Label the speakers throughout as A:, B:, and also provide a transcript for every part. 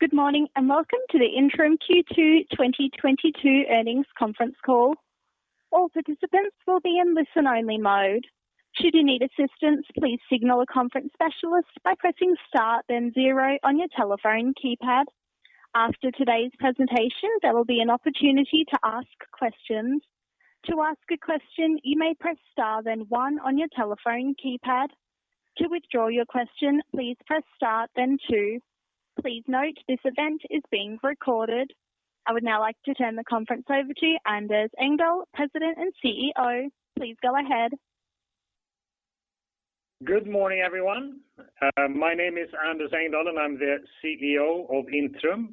A: Good morning and welcome to the Intrum Q2 2022 Earnings Conference Call. All participants will be in listen only mode. Should you need assistance, please signal a conference specialist by pressing star then zero on your telephone keypad. After today's presentation, there will be an opportunity to ask questions. To ask a question, you may press star then one on your telephone keypad. To withdraw your question, please press star then two. Please note this event is being recorded. I would now like to turn the conference over to Anders Engdahl, President and CEO. Please go ahead.
B: Good morning, everyone. My name is Anders Engdahl, and I'm the CEO of Intrum.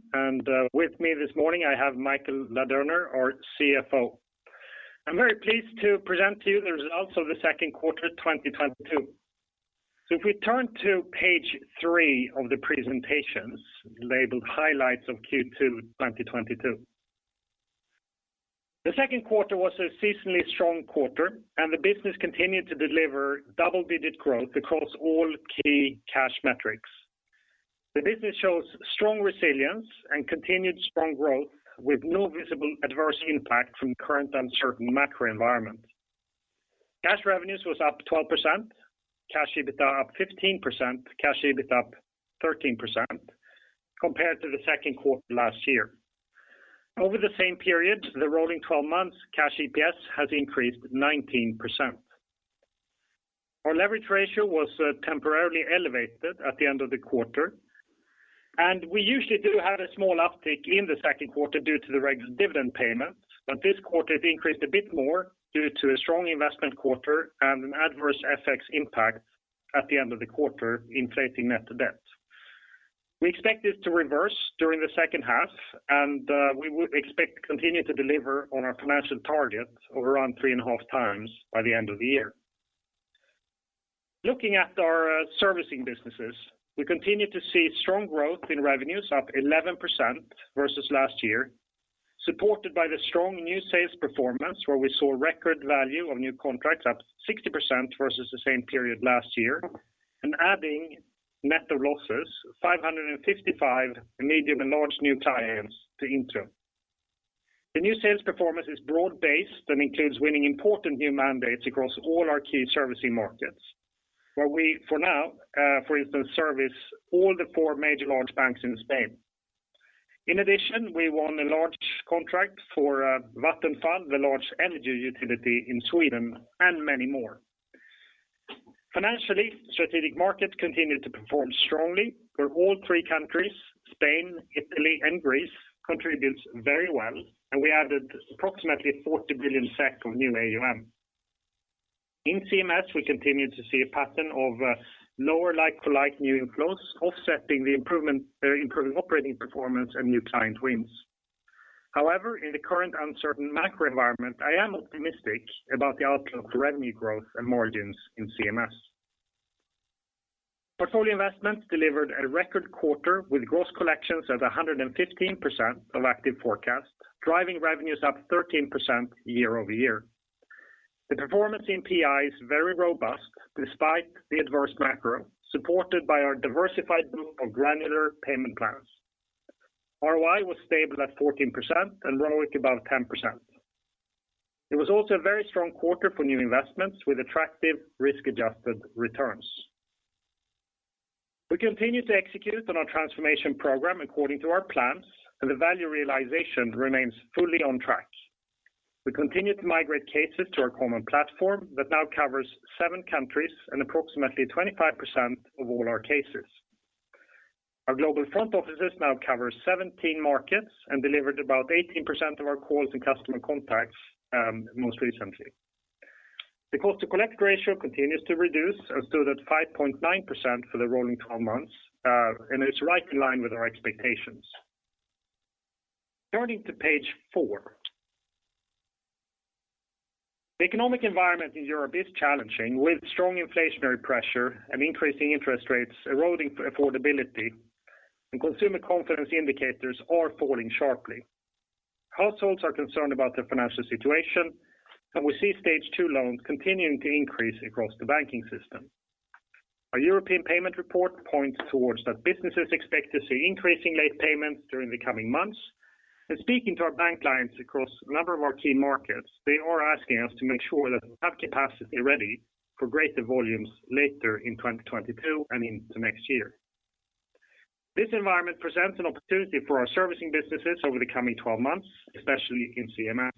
B: With me this morning I have Michael Ladurner, our CFO. I'm very pleased to present to you the results of the second quarter 2022. If we turn to page three of the presentations labeled highlights of Q2 2022. The second quarter was a seasonally strong quarter and the business continued to deliver double-digit growth across all key cash metrics. The business shows strong resilience and continued strong growth with no visible adverse impact from current uncertain macro environment. Cash revenues was up 12%, cash EBITDA up 15%, cash EBIT up 13% compared to the second quarter last year. Over the same period, the rolling 12 months cash EPS has increased 19%. Our leverage ratio was temporarily elevated at the end of the quarter, and we usually do have a small uptick in the second quarter due to the dividend payment, but this quarter it increased a bit more due to a strong investment quarter and an adverse FX impact at the end of the quarter inflating net debt. We expect this to reverse during the second half and we would expect to continue to deliver on our financial target of around 3.5x by the end of the year. Looking at our servicing businesses, we continue to see strong growth in revenues up 11% versus last year, supported by the strong new sales performance where we saw record value of new contracts up 60% versus the same period last year and adding net of losses 555 medium and large new clients to Intrum. The new sales performance is broad-based and includes winning important new mandates across all our key servicing markets. Where we, for now, for instance service all the four major large banks in Spain. In addition, we won a large contract for Vattenfall, the large energy utility in Sweden and many more. Financially, Strategic Markets continue to perform strongly where all three countries Spain, Italy and Greece contributes very well and we added approximately 40 billion SEK of new AUM. In CMS, we continue to see a pattern of lower like for like new inflows offsetting the improving operating performance and new client wins. However, in the current uncertain macro environment, I am optimistic about the outlook for revenue growth and margins in CMS. Portfolio Investment delivered a record quarter with gross collections at 115% of active forecast, driving revenues up 13% year-over-year. The performance in PI is very robust despite the adverse macro, supported by our diversified pool of granular payment plans. ROI was stable at 14% and ROIC above 10%. It was also a very strong quarter for new investments with attractive risk-adjusted returns. We continue to execute on our transformation program according to our plans and the value realization remains fully on track. We continue to migrate cases to our common platform that now covers seven countries and approximately 25% of all our cases. Our global front offices now cover 17 markets and delivered about 18% of our calls and customer contacts, most recently. The cost-to-collect ratio continues to reduce and stood at 5.9% for the rolling 12 months, and it's right in line with our expectations. Turning to page four. The economic environment in Europe is challenging with strong inflationary pressure and increasing interest rates eroding affordability and consumer confidence indicators are falling sharply. Households are concerned about their financial situation and we see Stage 2 loans continuing to increase across the banking system. Our European Payment Report points towards that businesses expect to see increasing late payments during the coming months. Speaking to our bank clients across a number of our key markets, they are asking us to make sure that we have capacity ready for greater volumes later in 2022 and into next year. This environment presents an opportunity for our servicing businesses over the coming 12 months, especially in CMS.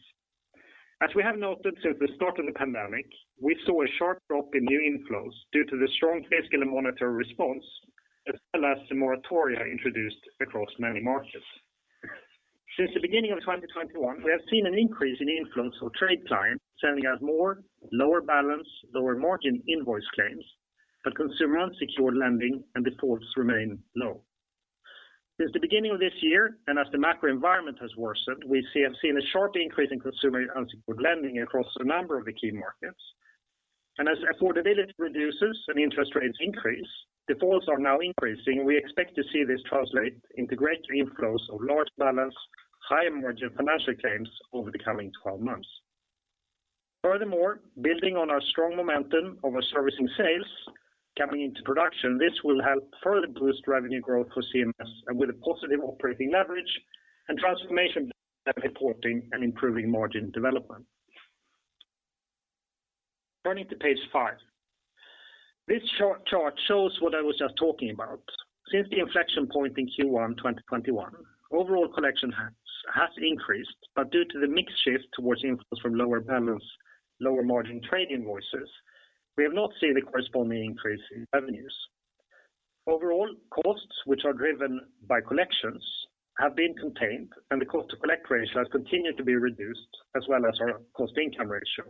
B: As we have noted since the start of the pandemic, we saw a sharp drop in new inflows due to the strong fiscal and monetary response as well as the moratoria introduced across many markets. Since the beginning of 2021, we have seen an increase in the influence of trade clients sending us more lower balance, lower margin invoice claims, but consumer unsecured lending and defaults remain low. Since the beginning of this year and as the macro environment has worsened, we have seen a sharp increase in consumer unsecured lending across a number of the key markets. As affordability reduces and interest rates increase, defaults are now increasing. We expect to see this translate into greater inflows of large balance, higher margin financial claims over the coming 12 months. Furthermore, building on our strong momentum of our servicing sales coming into production, this will help further boost revenue growth for CMS and with a positive operating leverage and transformation reporting and improving margin development. Turning to page five. This chart shows what I was just talking about. Since the inflection point in Q1 2021, overall collection has increased, but due to the mix shift towards inflows from lower balance, lower margin trade invoices, we have not seen the corresponding increase in revenues. Overall costs, which are driven by collections, have been contained and the cost-to-collect ratio has continued to be reduced as well as our cost-income ratio.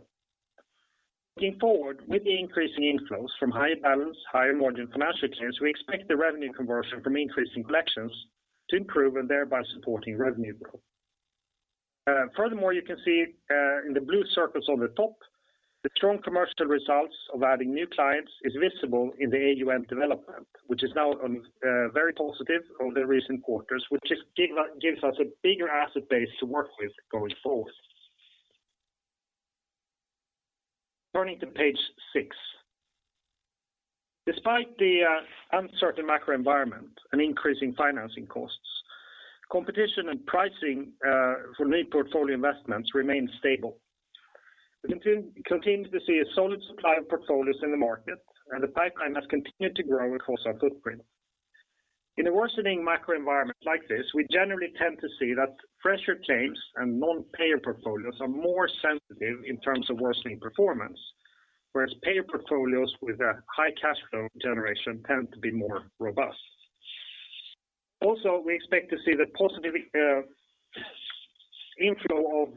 B: Looking forward, with the increasing inflows from higher balance, higher margin financial claims, we expect the revenue conversion from increasing collections to improve and thereby supporting revenue growth. Furthermore, you can see in the blue circles on the top, the strong commercial results of adding new clients is visible in the AUM development, which is now on very positive over the recent quarters, which gives us a bigger asset base to work with going forward. Turning to page six. Despite the uncertain macro environment and increasing financing costs, competition and pricing for new portfolio investments remain stable. We continue to see a solid supply of portfolios in the market, and the pipeline has continued to grow across our footprint. In a worsening macro environment like this, we generally tend to see that fresher claims and non-payer portfolios are more sensitive in terms of worsening performance, whereas payer portfolios with a high cash flow generation tend to be more robust. Also, we expect to see the positive inflow of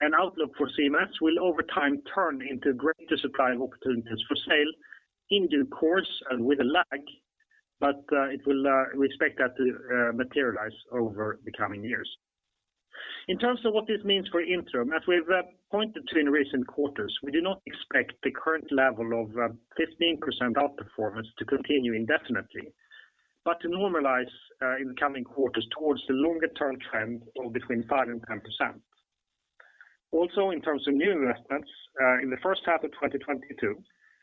B: an outlook for CMS will over time turn into greater supply of opportunities for sale in due course and with a lag, but it will we expect that to materialize over the coming years. In terms of what this means for Intrum, as we've pointed to in recent quarters, we do not expect the current level of 15% outperformance to continue indefinitely, but to normalize in the coming quarters towards the longer-term trend of between 5% and 10%. Also, in terms of new investments, in the first half of 2022,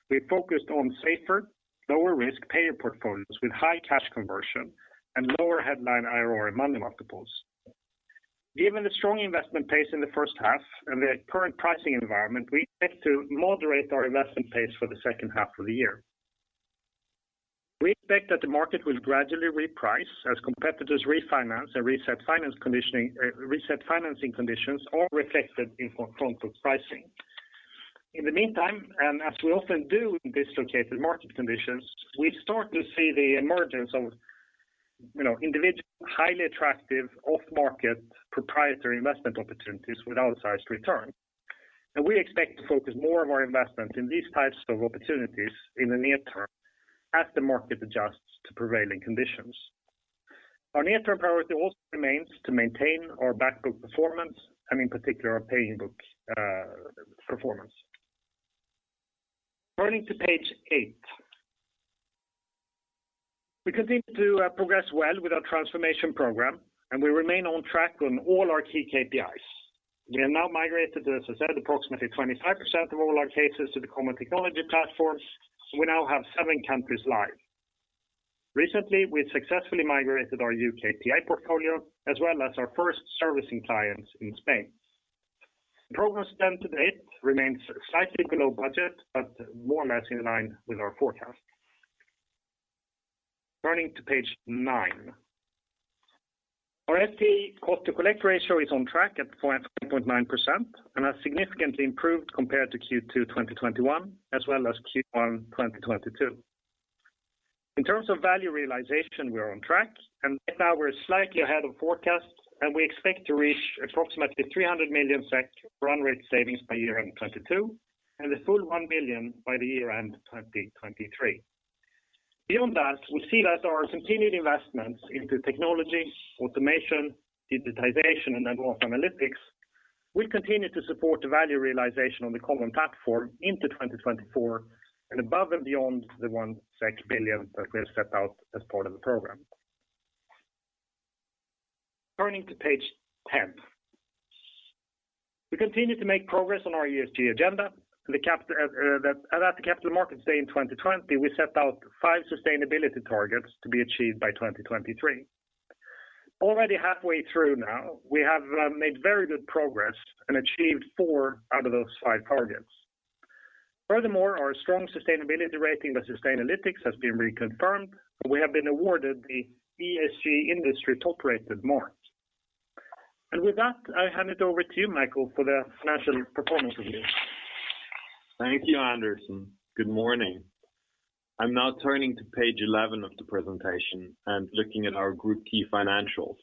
B: we focused on safer, lower risk PI portfolios with high cash conversion and lower headline IRR and money multiples. Given the strong investment pace in the first half and the current pricing environment, we expect to moderate our investment pace for the second half of the year. We expect that the market will gradually reprice as competitors refinance and reset financing conditions all reflected in front book pricing. In the meantime, as we often do in dislocated market conditions, we start to see the emergence of, you know, individual, highly attractive off-market proprietary investment opportunities with outsized return. We expect to focus more and more investment in these types of opportunities in the near term as the market adjusts to prevailing conditions. Our near-term priority also remains to maintain our back book performance and in particular our paying-in book performance. Turning to page eight. We continue to progress well with our transformation program and we remain on track on all our key KPIs. We have now migrated, as I said, approximately 25% of all our cases to the common technology platforms, and we now have seven countries live. Recently, we successfully migrated our U.K. PI portfolio as well as our first servicing clients in Spain. Progress done to date remains slightly below budget, but more or less in line with our forecast. Turning to page nine. Our FTE cost-to-collect ratio is on track at 0.9% and has significantly improved compared to Q2 2021 as well as Q1 2022. In terms of value realization, we are on track and right now we're slightly ahead of forecast, and we expect to reach approximately 300 million SEK run rate savings by year-end 2022 and the full 1 billion by year-end 2023. Beyond that, we see that our continued investments into technology, automation, digitization, and network analytics will continue to support the value realization on the common platform into 2024 and above and beyond the 1 billion that we have set out as part of the program. Turning to page ten. We continue to make progress on our ESG agenda. At the Capital Markets Day in 2020, we set out five sustainability targets to be achieved by 2023. Already halfway through now, we have made very good progress and achieved four out of those five targets. Furthermore, our strong sustainability rating by Sustainalytics has been reconfirmed, and we have been awarded the ESG industry top-rated mark. With that, I hand it over to you, Michael, for the financial performance review.
C: Thank you, Anders. Good morning. I'm now turning to page 11 of the presentation and looking at our group key financials.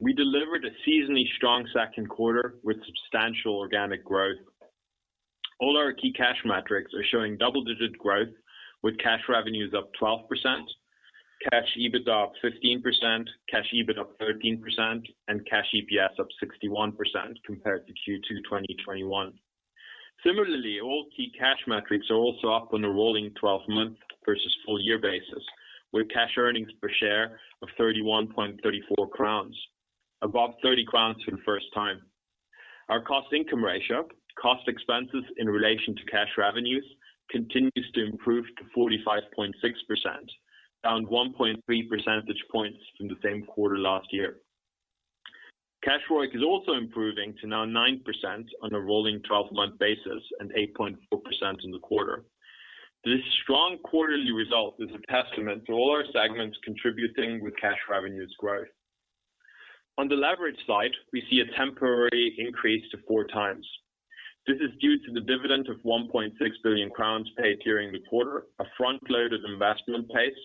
C: We delivered a seasonally strong second quarter with substantial organic growth. All our key cash metrics are showing double-digit growth with cash revenues up 12%, cash EBIT up 15%, cash EBITDA up 13%, and cash EPS up 61% compared to Q2 2021. Similarly, all key cash metrics are also up on a rolling 12-month versus full year basis, with cash earnings per share of 31.34 crowns, above 30 crowns for the first time. Our cost-income ratio, cost expenses in relation to cash revenues, continues to improve to 45.6%, down 1.3 percentage points from the same quarter last year. Cash ROIC is also improving to now 9% on a rolling 12-month basis and 8.4% in the quarter. This strong quarterly result is a testament to all our segments contributing with cash revenues growth. On the leverage side, we see a temporary increase to 4x. This is due to the dividend of 1.6 billion crowns paid during the quarter, a front load of investment pace,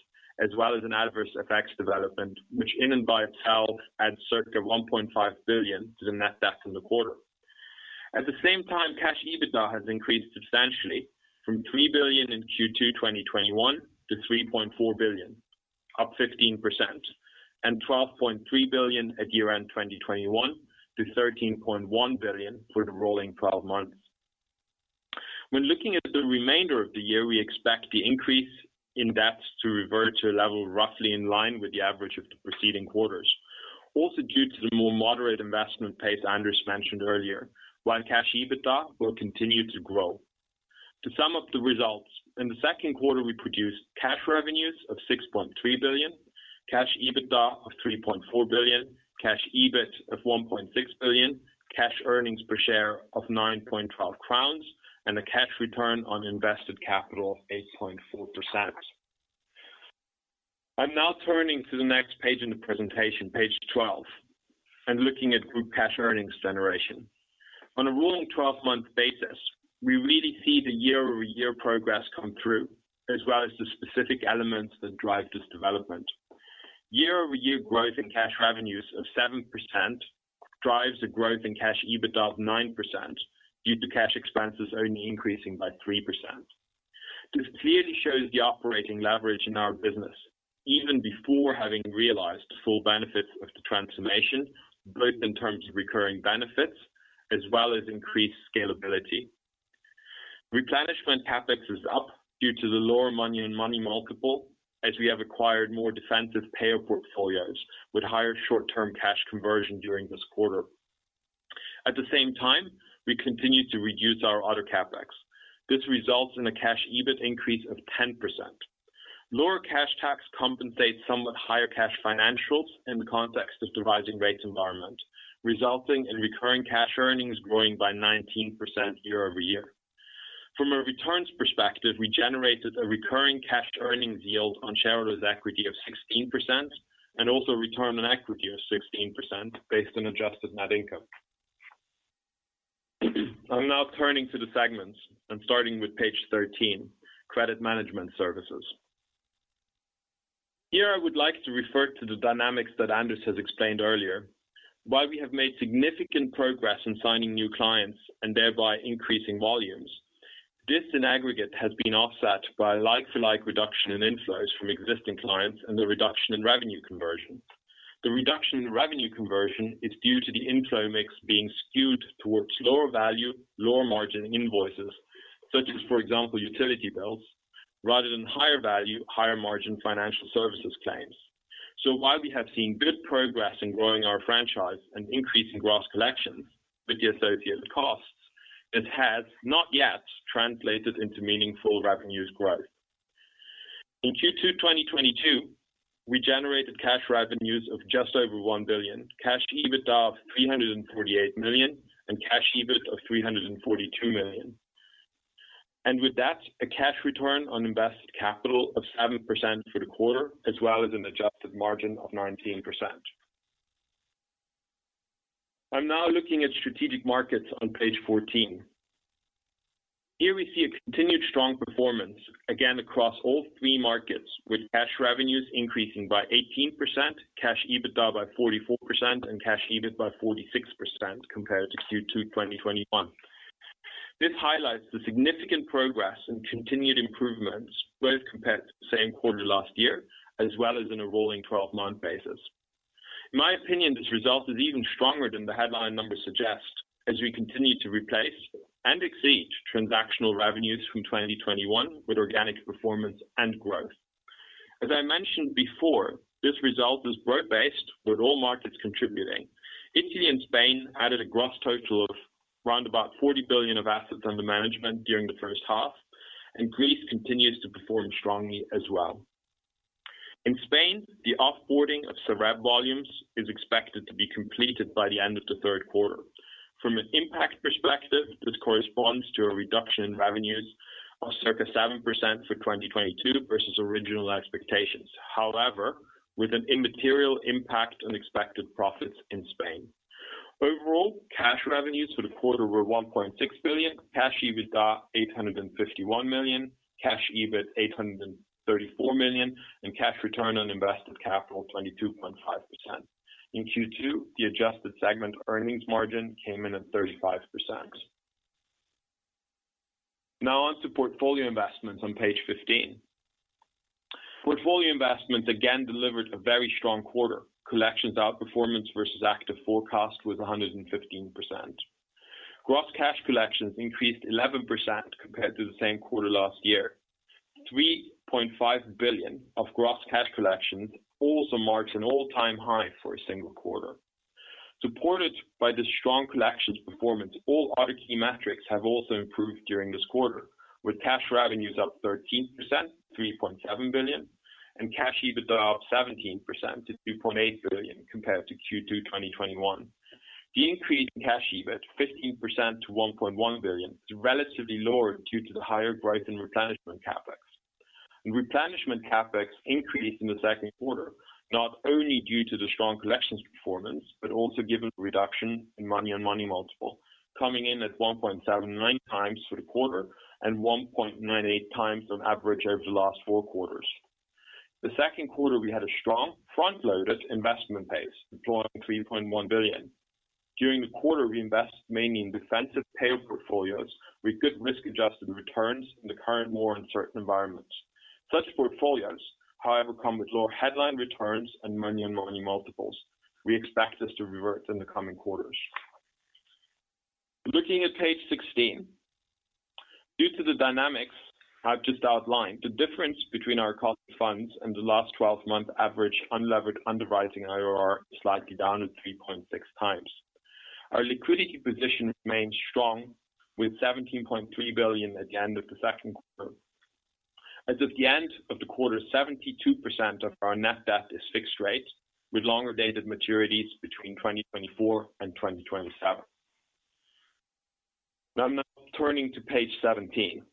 C: as well as an adverse FX development, which in and of itself adds circa 1.5 billion to the net debt in the quarter. At the same time, cash EBITDA has increased substantially from 3 billion in Q2 2021 to 3.4 billion, up 15%, and 12.3 billion at year-end 2021 to 13.1 billion for the rolling 12 months. When looking at the remainder of the year, we expect the increase in debts to revert to a level roughly in line with the average of the preceding quarters. Also due to the more moderate investment pace Anders mentioned earlier, while cash EBITDA will continue to grow. To sum up the results, in the second quarter we produced cash revenues of 6.3 billion, cash EBITDA of 3.4 billion, cash EBIT of 1.6 billion, cash earnings per share of 9.12 crowns, and a cash return on invested capital of 8.4%. I'm now turning to the next page in the presentation, page 12, and looking at group cash earnings generation. On a rolling 12-month basis, we really see the year-over-year progress come through, as well as the specific elements that drive this development. Year-over-year growth in cash revenues of 7% drives the growth in cash EBITDA of 9% due to cash expenses only increasing by 3%. This clearly shows the operating leverage in our business even before having realized the full benefits of the transformation, both in terms of recurring benefits as well as increased scalability. Replenishment CapEx is up due to the lower money on money multiple as we have acquired more defensive payer portfolios with higher short-term cash conversion during this quarter. At the same time, we continue to reduce our other CapEx. This results in a cash EBIT increase of 10%. Lower cash tax compensates somewhat higher cash financials in the context of the rising rates environment, resulting in recurring cash earnings growing by 19% year-over-year. From a returns perspective, we generated a recurring cash earnings yield on shareholders' equity of 16% and also return on equity of 16% based on adjusted net income. I'm now turning to the segments and starting with page 13, Credit Management Services. Here I would like to refer to the dynamics that Anders has explained earlier. While we have made significant progress in signing new clients and thereby increasing volumes, this in aggregate has been offset by like-for-like reduction in inflows from existing clients and the reduction in revenue conversion. The reduction in revenue conversion is due to the inflow mix being skewed towards lower value, lower margin invoices, such as, for example, utility bills, rather than higher value, higher margin financial services claims. While we have seen good progress in growing our franchise and increasing gross collections with the associated costs, it has not yet translated into meaningful revenue growth. In Q2 2022, we generated cash revenues of just over 1 billion, cash EBITDA of 348 million, and cash EBIT of 342 million. With that, a cash return on invested capital of 7% for the quarter, as well as an adjusted margin of 19%. I'm now looking at Strategic Markets on page 14. Here we see a continued strong performance, again across all three markets, with cash revenues increasing by 18%, cash EBITDA by 44%, and cash EBIT by 46% compared to Q2 2021. This highlights the significant progress and continued improvements both compared to the same quarter last year as well as on a rolling 12-month basis. In my opinion, this result is even stronger than the headline numbers suggest as we continue to replace and exceed transactional revenues from 2021 with organic performance and growth. As I mentioned before, this result is broad-based with all markets contributing. Italy and Spain added a gross total of round about 40 billion of assets under management during the first half, and Greece continues to perform strongly as well. In Spain, the off-boarding of SAREB volumes is expected to be completed by the end of the third quarter. From an impact perspective, this corresponds to a reduction in revenues of circa 7% for 2022 versus original expectations. However, with an immaterial impact on expected profits in Spain. Overall, cash revenues for the quarter were 1.6 billion, cash EBITDA 851 million, cash EBIT 834 million, and cash return on invested capital 22.5%. In Q2, the adjusted segment earnings margin came in at 35%. Now on to Portfolio Investments on page 15. Portfolio Investments again delivered a very strong quarter. Collections outperformance versus active forecast was 115%. Gross cash collections increased 11% compared to the same quarter last year. 3.5 billion of gross cash collections also marks an all-time high for a single quarter. Supported by the strong collections performance, all other key metrics have also improved during this quarter, with cash revenues up 13%, 3.7 billion, and cash EBIT up 17% to 2.8 billion compared to Q2 2021. The increase in cash EBIT 15% to 1.1 billion is relatively lower due to the higher growth in replenishment CapEx. Replenishment CapEx increased in the second quarter, not only due to the strong collections performance, but also given the reduction in money on money multiple coming in at 1.79x for the quarter and 1.98x on average over the last four quarters. The second quarter, we had a strong front-loaded investment pace, deploying 3.1 billion. During the quarter, we invest mainly in defensive PI portfolios with good risk-adjusted returns in the current more uncertain environments. Such portfolios, however, come with lower headline returns and money on money multiples. We expect this to revert in the coming quarters. Looking at page 16. Due to the dynamics I've just outlined, the difference between our cost of funds and the last twelve-month average unlevered underwriting IRR is slightly down at 3.6x. Our liquidity position remains strong with 17.3 billion at the end of the second quarter. As of the end of the quarter, 72% of our net debt is fixed rate with longer dated maturities between 2024 and 2027. Now turning to page 17.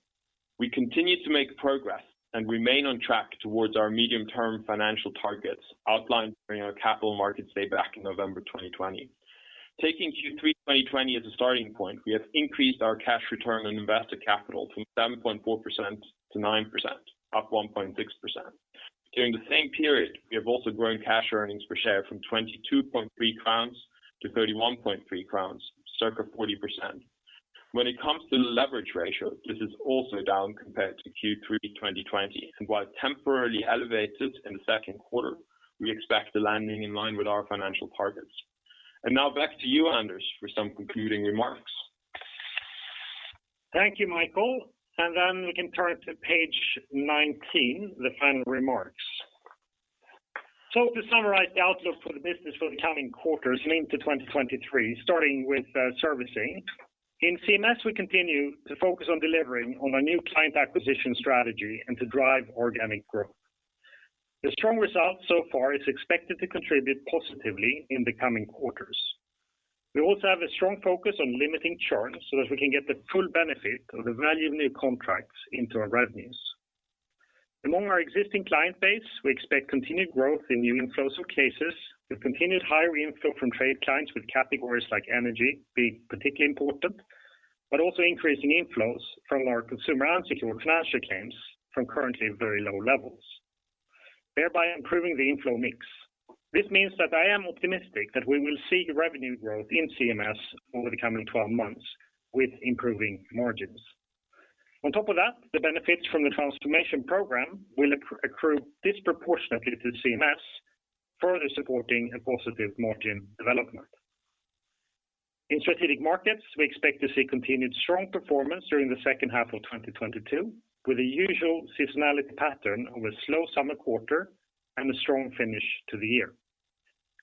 C: We continue to make progress and remain on track towards our medium-term financial targets outlined during our Capital Markets Day back in November 2020. Taking Q3 2020 as a starting point, we have increased our cash return on invested capital from 7.4% to 9%, up 1.6%. During the same period have also grown cash earnings per share from 22.3 crowns to 31.3 crowns, circa 40%. When it comes to leverage ratio, this is also down compared to Q3 2020. While temporarily elevated in the second quarter, we expect the landing in line with our financial targets. Now back to you, Anders, for some concluding remarks.
B: Thank you, Michael. Then we can turn to page 19, the final remarks. To summarize the outlook for the business for the coming quarters into 2023, starting with servicing. In CMS, we continue to focus on delivering on our new client acquisition strategy and to drive organic growth. The strong result so far is expected to contribute positively in the coming quarters. We also have a strong focus on limiting churn so that we can get the full benefit of the value of new contracts into our revenues. Among our existing client base, we expect continued growth in new inflows of cases with continued higher inflow from trade clients with categories like energy being particularly important, but also increasing inflows from our consumer unsecured financial claims from currently very low levels, thereby improving the inflow mix. This means that I am optimistic that we will see revenue growth in CMS over the coming 12 months with improving margins. On top of that, the benefits from the transformation program will accrue disproportionately to CMS, further supporting a positive margin development. In Strategic Markets, we expect to see continued strong performance during the second half of 2022, with a usual seasonality pattern of a slow summer quarter and a strong finish to the year.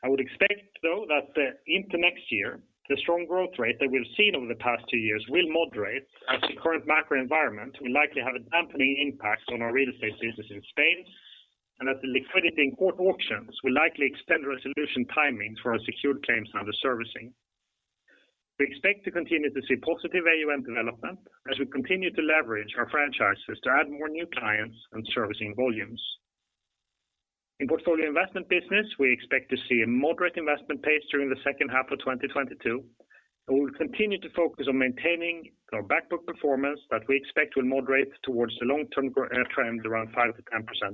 B: I would expect, though, that into next year, the strong growth rate that we've seen over the past two years will moderate as the current macro environment will likely have a dampening impact on our real estate business in Spain, and that the liquidity in court auctions will likely extend resolution timing for our secured claims under servicing. We expect to continue to see positive AUM development as we continue to leverage our franchises to add more new clients and servicing volumes. In Portfolio Investment business, we expect to see a moderate investment pace during the second half of 2022, and we'll continue to focus on maintaining our back book performance that we expect will moderate towards the long-term trend, around 5%-10%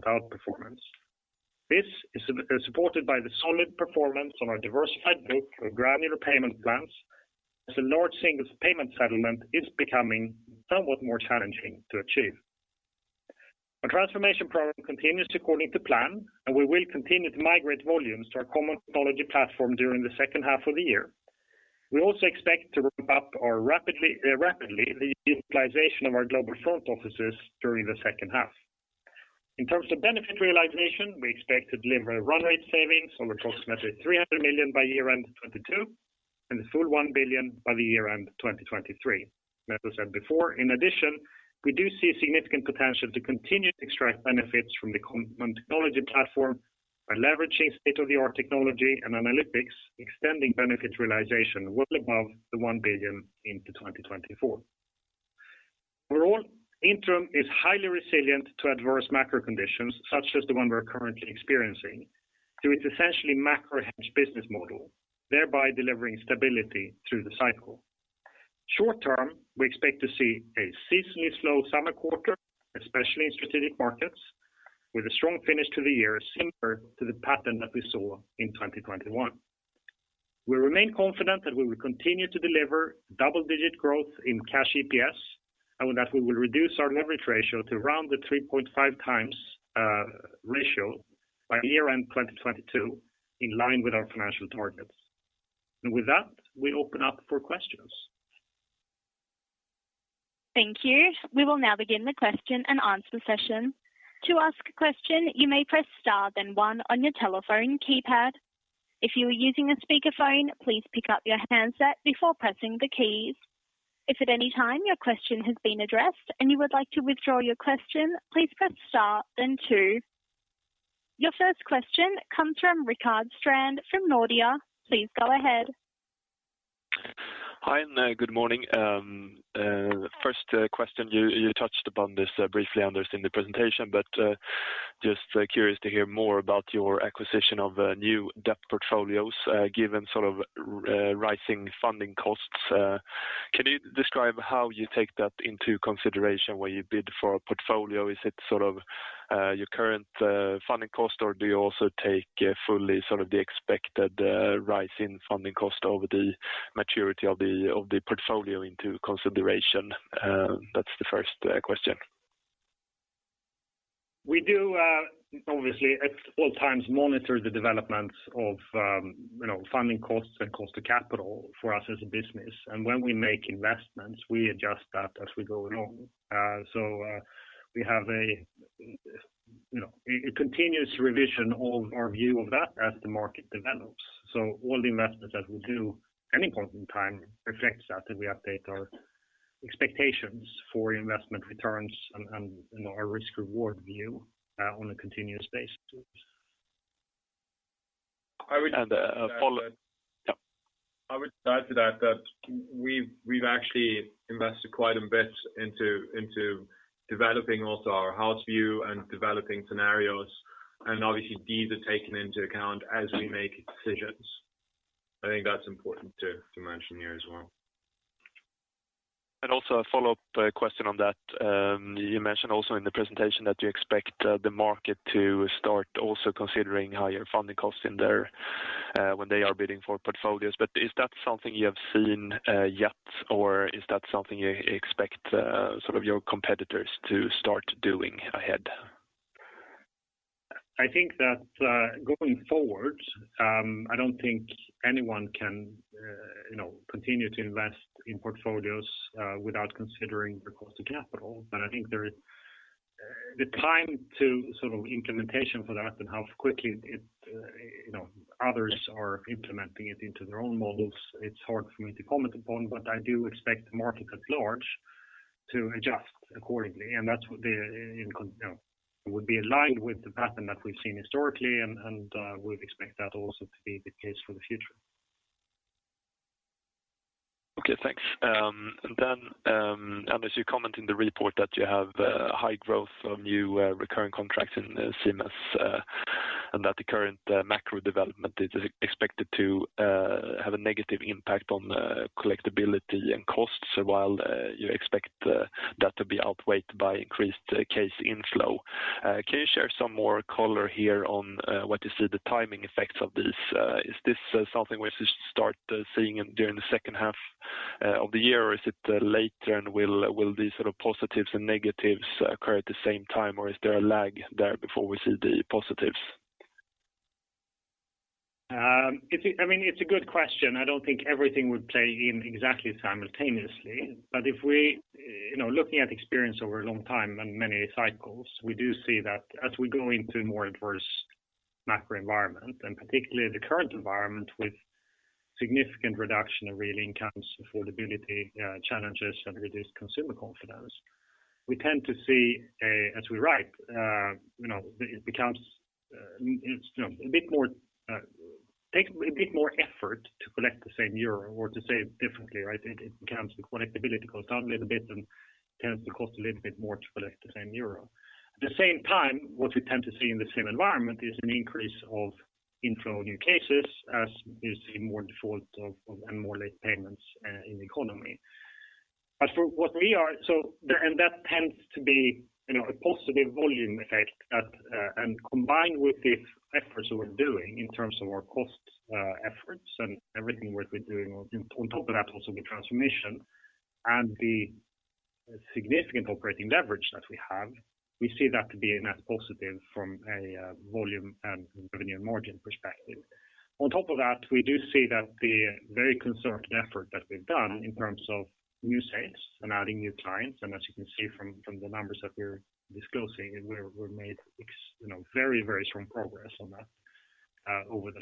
B: outperformance. This is supported by the solid performance on our diversified book with granular payment plans as a large single payment settlement is becoming somewhat more challenging to achieve. Our transformation program continues according to plan, and we will continue to migrate volumes to our common technology platform during the second half of the year. We also expect to ramp up rapidly the utilization of our global front offices during the second half. In terms of benefit realization, we expect to deliver a run rate savings of approximately 300 million by year-end 2022 and a full 1 billion by year-end 2023. As I said before, in addition, we do see significant potential to continue to extract benefits from the common technology platform by leveraging state-of-the-art technology and analytics, extending benefit realization well above the 1 billion into 2024. Intrum is highly resilient to adverse macro conditions, such as the one we're currently experiencing, through its essentially macro hedge business model, thereby delivering stability through the cycle. Short term, we expect to see a seasonally slow summer quarter, especially in Strategic Markets, with a strong finish to the year similar to the pattern that we saw in 2021. We remain confident that we will continue to deliver double-digit growth in cash EPS, and that we will reduce our leverage ratio to around the 3.5 times ratio by year-end, 2022, in line with our financial targets. With that, we open up for questions.
A: Thank you. We will now begin the Q&A session. To ask a question, you may press star then one on your telephone keypad. If you are using a speakerphone, please pick up your handset before pressing the keys. If at any time your question has been addressed and you would like to withdraw your question, please press star then two. Your first question comes from Rickard Strand from Nordea. Please go ahead.
D: Hi, good morning. First question, you touched upon this briefly, Anders, in the presentation, but just curious to hear more about your acquisition of new debt portfolios, given sort of rising funding costs. Can you describe how you take that into consideration when you bid for a portfolio? Is it sort of your current funding cost, or do you also take fully sort of the expected rise in funding cost over the maturity of the portfolio into consideration? That's the first question.
B: We do obviously at all times monitor the developments of you know funding costs and cost of capital for us as a business. When we make investments, we adjust that as we go along. We have a you know continuous revision of our view of that as the market develops. All the investments that we do at any point in time reflects that, and we update our expectations for investment returns and you know our risk reward view on a continuous basis.
C: I would-
D: A follow-up. Yep.
C: I would add to that we've actually invested quite a bit into developing also our house view and developing scenarios, and obviously these are taken into account as we make decisions. I think that's important to mention here as well.
D: Also a follow-up question on that. You mentioned also in the presentation that you expect the market to start also considering higher funding costs in their when they are bidding for portfolios. Is that something you have seen yet? Or is that something you expect sort of your competitors to start doing ahead?
B: I think that, going forward, I don't think anyone can, you know, continue to invest in portfolios, without considering the cost of capital. I think there is. The time to sort of implementation for that and how quickly it, you know, others are implementing it into their own models, it's hard for me to comment upon, but I do expect the market at large to adjust accordingly. That's what the, you know, would be aligned with the pattern that we've seen historically and, we'd expect that also to be the case for the future.
D: Okay, thanks. And then, Anders, you comment in the report that you have high growth of new recurring contracts in CMS, and that the current macro development is expected to have a negative impact on collectability and costs, while you expect that to be outweighed by increased case inflow. Can you share some more color here on what you see the timing effects of this? Is this something we start seeing during the second half of the year, or is it later and will these sort of positives and negatives occur at the same time, or is there a lag there before we see the positives?
B: I mean, it's a good question. I don't think everything would play out exactly simultaneously. If we, you know, looking at experience over a long time and many cycles, we do see that as we go into more adverse macro environment, and particularly the current environment with significant reduction of real incomes, affordability challenges, and reduced consumer confidence, we tend to see, you know, it becomes, you know, a bit more take a bit more effort to collect the same euro or to say it differently, right? It becomes the collectability goes down a little bit and tends to cost a little bit more to collect the same euro. At the same time, what we tend to see in the same environment is an increase of inflow new cases as you see more defaults and more late payments in the economy. That tends to be, you know, a positive volume effect that, and combined with the efforts we're doing in terms of our cost efforts and everything what we're doing on top of that, also the transformation and the significant operating leverage that we have. We see that to be a net positive from a volume and revenue margin perspective. On top of that, we do see that the very concerted effort that we've done in terms of new sales and adding new clients, and as you can see from the numbers that we're disclosing, we've made excellent, you know, very strong progress on that over the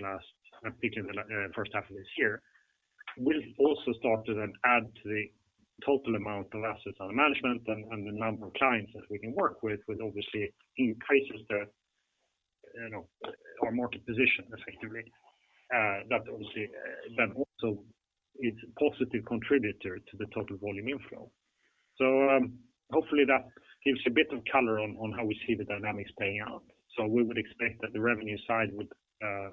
B: first half of this year. We'll also start to then add to the total amount of assets under management and the number of clients that we can work with, which obviously increases, you know, our market position effectively. That obviously then also is a positive contributor to the total volume inflow. Hopefully that gives a bit of color on how we see the dynamics playing out. We would expect that the revenue side would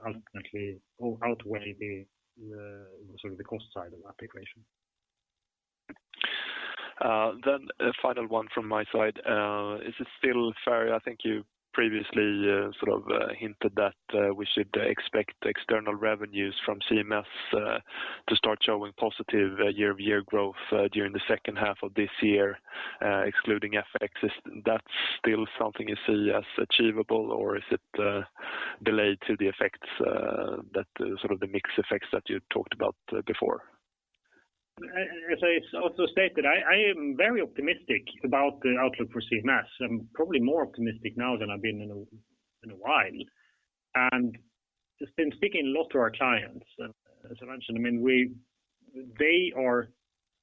B: ultimately outweigh the, you know, sort of the cost side of that equation.
D: A final one from my side. I think you previously sort of hinted that we should expect external revenues from CMS to start showing positive year-over-year growth during the second half of this year, excluding FX. Is that still something you see as achievable or is it delayed due to the effects that sort of the mix effects that you talked about before?
B: As I also stated, I am very optimistic about the outlook for CMS. I'm probably more optimistic now than I've been in a while. Just been speaking a lot to our clients, as I mentioned, I mean, they are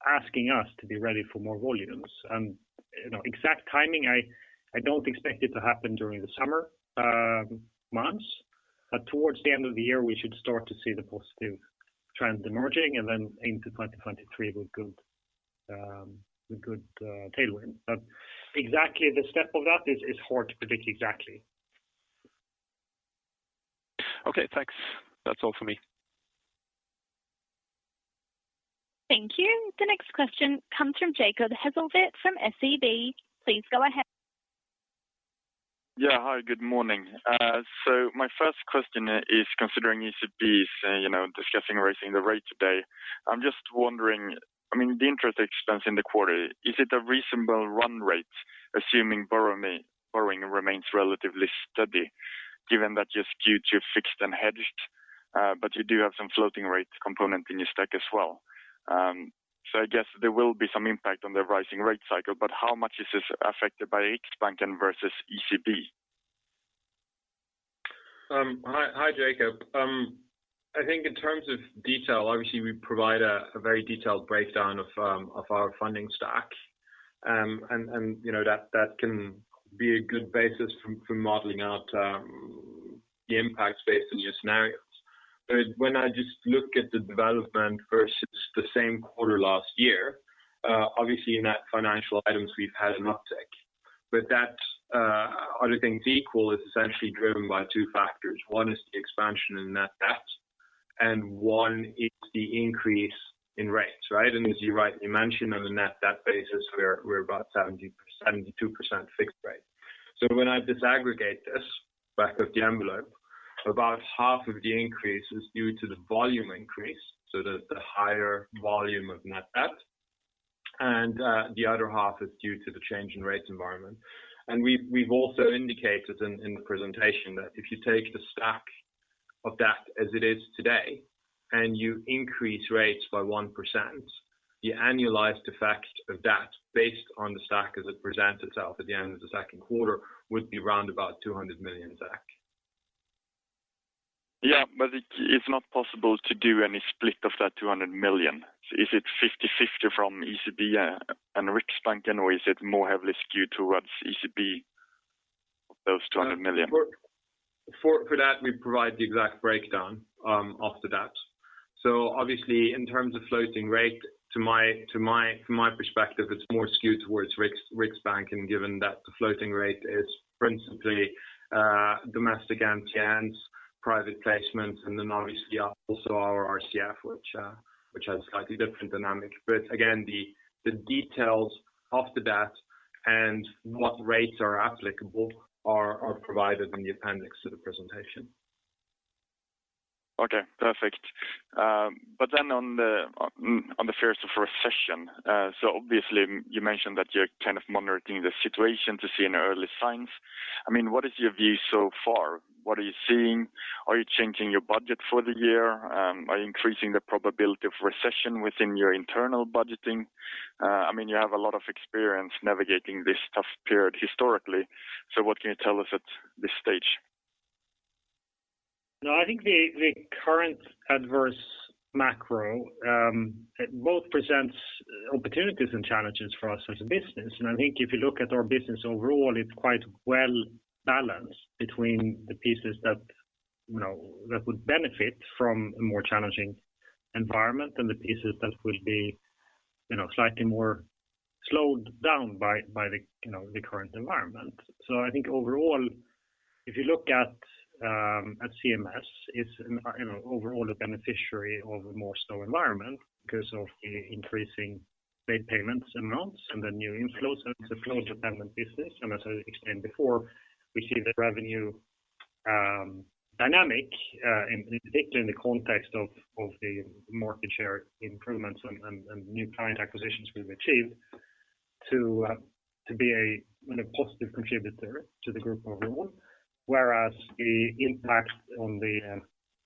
B: asking us to be ready for more volumes. You know, exact timing, I don't expect it to happen during the summer months. Towards the end of the year we should start to see the positive trend emerging and then into 2023 with good tailwind. Exactly the step of that is hard to predict exactly.
D: Okay, thanks. That's all for me.
A: Thank you. The next question comes from Jacob Hesslevik from SEB. Please go ahead.
E: Yeah. Hi, good morning. My first question is considering ECB is discussing raising the rate today. I'm just wondering, the interest expense in the quarter, is it a reasonable run rate, assuming borrowing remains relatively steady given that you're skewed to fixed and hedged, but you do have some floating rate component in your stack as well. I guess there will be some impact on the rising rate cycle, but how much is this affected by Riksbanken versus ECB?
C: Hi, Jacob. I think in terms of detail, obviously we provide a very detailed breakdown of our funding stack. You know, that can be a good basis for modeling out the impacts based on your scenarios. When I just look at the development versus the same quarter last year, obviously in that financial items we've had an uptick. That, other things equal, is essentially driven by two factors. One is the expansion in net debt, and one is the increase in rates, right? As you mentioned on the net debt basis, we're about 72% fixed rate. When I disaggregate this back of the envelope, about half of the increase is due to the volume increase, so the higher volume of net debt, and the other half is due to the change in rates environment. We've also indicated in the presentation that if you take the stack of debt as it is today and you increase rates by 1%, the annualized effect of that based on the stack as it presents itself at the end of the second quarter would be round about 200 million.
E: It's not possible to do any split of that 200 million. Is it 50/50 from ECB and Riksbanken or is it more heavily skewed towards ECB of those 200 million?
C: For that we provide the exact breakdown of the debt. Obviously in terms of floating rate, from my perspective it's more skewed towards Riksbanken given that the floating rate is principally domestic MTNs, private placements and then obviously also our RCF which has slightly different dynamics. Again, the details of the debt and what rates are applicable are provided in the appendix to the presentation.
E: Okay, perfect. On the fears of recession, obviously you mentioned that you're kind of monitoring the situation to see any early signs. I mean, what is your view so far? What are you seeing? Are you changing your budget for the year? Are you increasing the probability of recession within your internal budgeting? I mean, you have a lot of experience navigating this tough period historically. What can you tell us at this stage?
B: No, I think the current adverse macro, it both presents opportunities and challenges for us as a business. I think if you look at our business overall it's quite well balanced between the pieces that, you know, that would benefit from a more challenging environment and the pieces that will be, you know, slightly more slowed down by the, you know, the current environment. I think overall, if you look at CMS it's, you know, overall a beneficiary of a more slow environment because of the increasing late payments amounts and the new inflows. It's a flow dependent business. As I explained before, we see the revenue dynamic in particular in the context of the market share improvements and new client acquisitions we've achieved to be a, you know, positive contributor to the group overall. Whereas the impact on the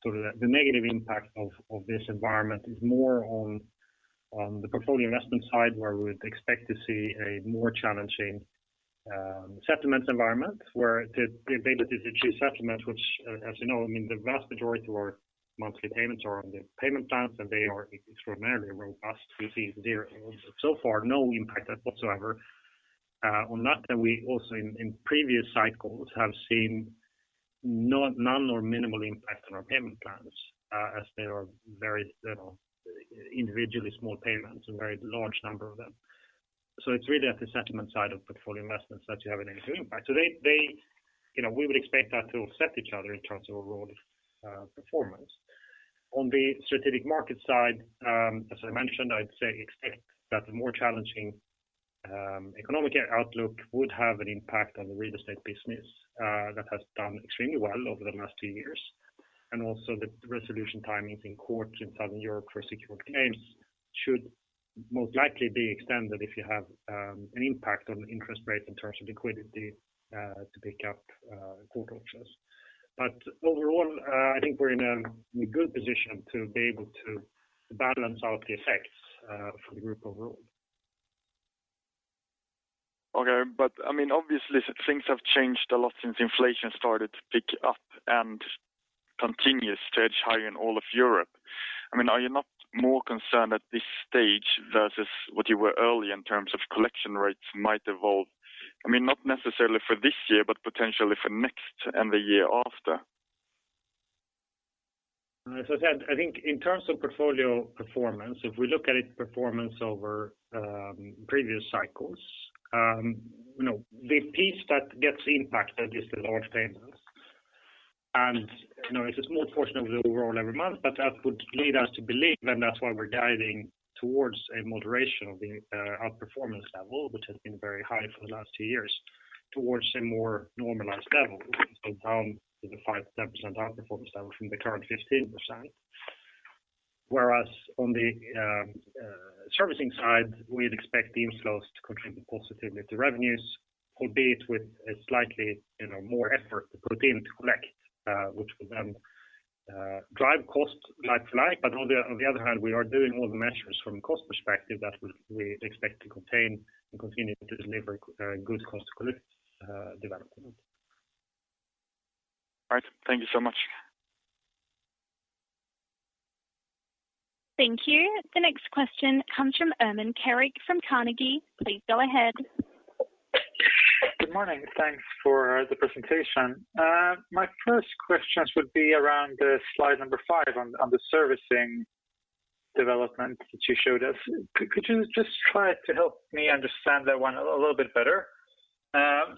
B: sort of the negative impact of this environment is more on the Portfolio Investment side where we would expect to see a more challenging settlement environment where the ability to achieve settlements which, as you know, I mean the vast majority of our monthly payments are on the payment plans and they are extraordinarily robust. We've seen zero so far, no impact whatsoever on that. We also in previous cycles have seen none or minimal impact on our payment plans, as they are very, you know, individually small payments and very large number of them. It's really at the settlement side of Portfolio Investments that you have any impact. You know, we would expect that to offset each other in terms of overall performance. On the strategic market side, as I mentioned, I'd say expect that the more challenging economic outlook would have an impact on the real estate business that has done extremely well over the last two years. Also the resolution timings in courts in Southern Europe for secured claims should most likely be extended if you have an impact on interest rates in terms of liquidity to pick up court options. Overall, I think we're in a good position to be able to balance out the effects for the group overall.
E: Okay. I mean, obviously things have changed a lot since inflation started to pick up and continue to stage high in all of Europe. I mean, are you not more concerned at this stage versus what you were early in terms of collection rates might evolve? I mean, not necessarily for this year, but potentially for next and the year after.
B: As I said, I think in terms of portfolio performance, if we look at its performance over previous cycles, you know, the piece that gets impacted is the large payments. You know, it's a small portion of the overall every month, but that would lead us to believe, and that's why we're guiding towards a moderation of the outperformance level, which has been very high for the last two years, towards a more normalized level. Down to the 5%-10% outperformance level from the current 15%. Whereas on the servicing side, we'd expect the inflows to contribute positively to revenues, albeit with a slightly, you know, more effort to put in to collect, which will then drive costs like flag. On the other hand, we are doing all the measures from cost perspective that we expect to contain and continue to deliver good cost to collect development.
E: All right. Thank you so much.
A: Thank you. The next question comes from Ermin Keric from Carnegie. Please go ahead.
F: Good morning. Thanks for the presentation. My first questions would be around the slide number five on the servicing development that you showed us. Could you just try to help me understand that one a little bit better?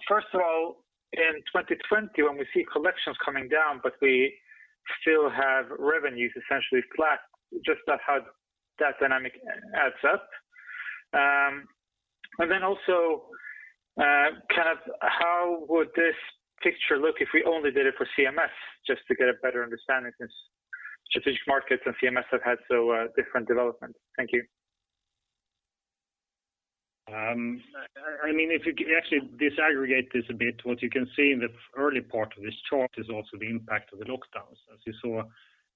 F: First of all, in 2020 when we see collections coming down, but we still have revenues essentially flat, just how that dynamic adds up. Then also, kind of how would this picture look if we only did it for CMS just to get a better understanding since Strategic Markets and CMS have had so different development. Thank you.
B: I mean, if you actually disaggregate this a bit, what you can see in the early part of this chart is also the impact of the lockdowns. As you saw,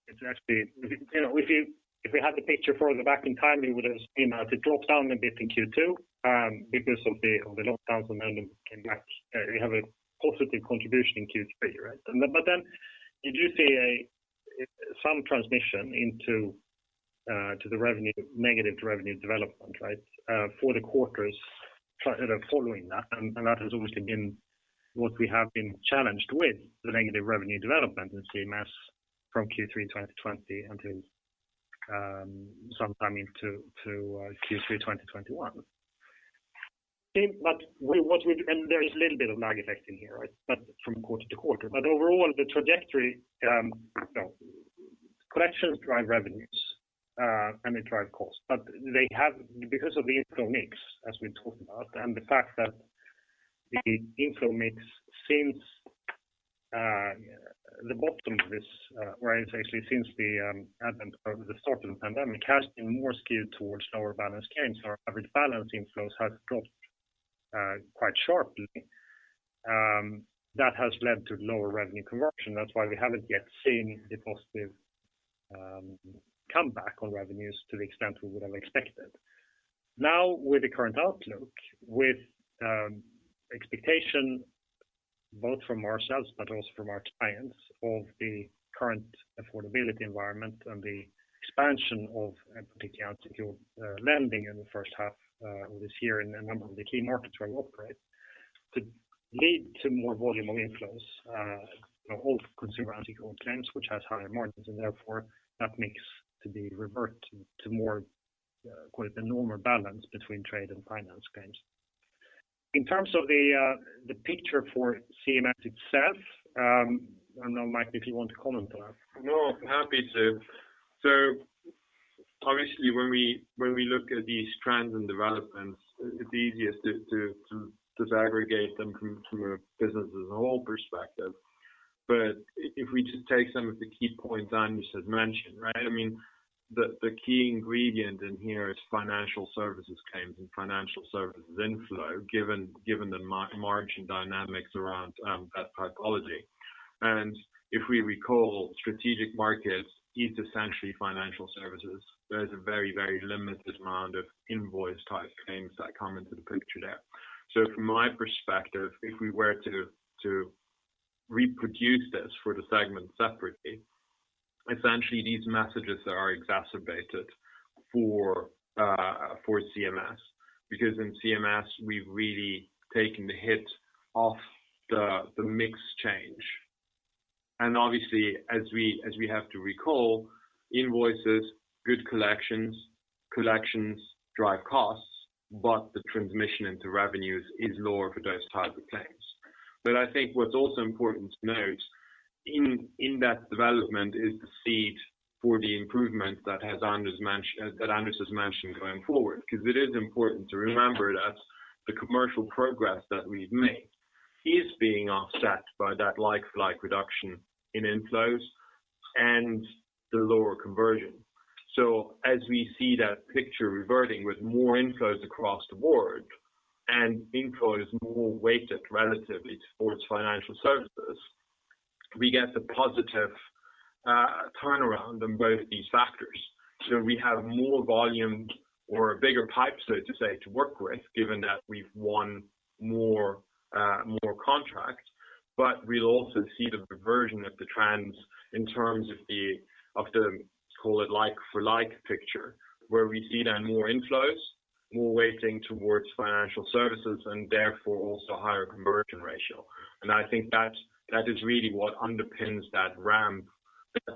B: it's actually you know, if we had the picture further back in time, you would have seen that it dropped down a bit in Q2 because of the lockdowns, and then came back. We have a positive contribution in Q3, right? Then you do see some transmission into the revenue, negative revenue development, right? For the quarters you know, following that, and that has obviously been what we have been challenged with the negative revenue development in CMS from Q3 2020 until sometime into Q3 2021. There is a little bit of lag effect in here, right? From quarter to quarter. Overall, the trajectory, you know, collections drive revenues, and they drive costs. They have because of the inflow mix, as we talked about, and the fact that the inflow mix since actually the advent of the start of the pandemic has been more skewed towards lower balance claims. Our average balance inflows has dropped quite sharply. That has led to lower revenue conversion. That's why we haven't yet seen the positive comeback on revenues to the extent we would have expected. Now, with the current outlook, with expectation both from ourselves but also from our clients of the current affordability environment and the expansion of particularly unsecured lending in the first half of this year in a number of the key markets where we operate, could lead to more volume of inflows of consumer unsecured claims, which has higher margins and therefore that mix to revert to more, call it the normal balance between trade and finance claims. In terms of the picture for CMS itself, I don't know, Mike, if you want to comment on that.
C: No, happy to. Obviously, when we look at these trends and developments, it's easiest to disaggregate them from a business as a whole perspective. If we just take some of the key points Anders has mentioned, right? I mean, the key ingredient in here is financial services claims and financial services inflow, given the margin dynamics around that typology. If we recall, Strategic Markets is essentially financial services. There is a very limited amount of invoice type claims that come into the picture there. From my perspective, if we were to reproduce this for the segment separately, essentially these messages are exacerbated for CMS because in CMS we've really taken the hit of the mix change. Obviously as we have to recall invoices, good collections drive costs, but the transmission into revenues is lower for those type of claims. I think what's also important to note in that development is the seed for the improvement that Anders has mentioned going forward. Because it is important to remember that the commercial progress that we've made is being offset by that like-for-like reduction in inflows and the lower conversion. As we see that picture reverting with more inflows across the board and inflows more weighted relatively towards financial services, we get the positive turnaround on both these factors. We have more volume or a bigger pipe, so to say, to work with, given that we've won more contracts. We'll also see the reversion of the trends in terms of the call it like for like picture, where we see then more inflows, more weighting towards financial services, and therefore also higher conversion ratio. I think that is really what underpins that ramp